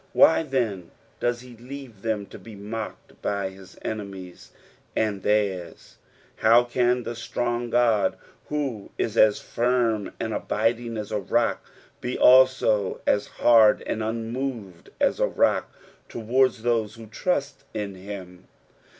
Why then does he leave them to be mocked by his enemies and theirs 1 Bow can tho strong Ood, who is as firm and abiding as a rock, be also as hard and unmoved as a rock towards those who trust in him